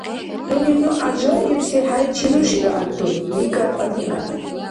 — ХӀуни ну гӀяжаибси хӀяйчи рушира, ГӀяртур, — рикӀар Аминат.